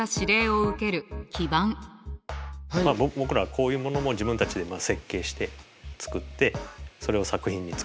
僕らはこういうものも自分たちで設計して作ってそれを作品に使ってる。